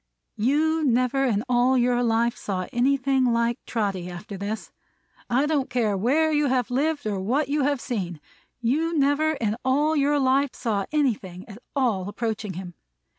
You never in all your life saw anything like Trotty after this. I don't care where you have lived or what you have seen, you never in all your life saw anything at all approaching him!